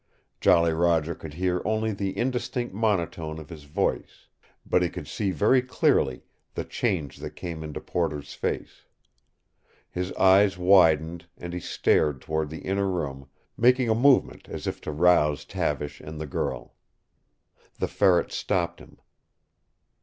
Jolly Roger could hear only the indistinct monotone of his voice. But he could see very clearly the change that came into Porter's face. His eyes widened, and he stared toward the inner room, making a movement as if to rouse Tavish and the girl. The Ferret stopped him.